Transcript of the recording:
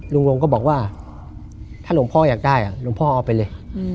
ลุงลงก็บอกว่าถ้าหลวงพ่ออยากได้หลวงพ่อเอาไปเลย